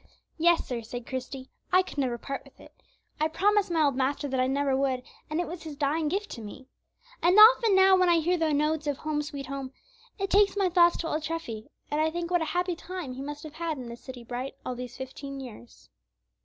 "Yes, sir," said Christie, "I could never part with it; I promised my old master that I never would, and it was his dying gift to me. And often now when I hear the notes of 'Home, sweet Home,' it takes my thoughts to old Treffy, and I think what a happy time he must have had in 'the city bright,' all these fifteen years."